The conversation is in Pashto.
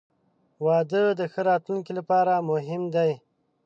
• واده د ښه راتلونکي لپاره مهم دی.